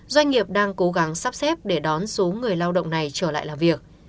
doanh nghiệp đang cố gắng sắp xếp để đón số người lao động này trở lại làm việc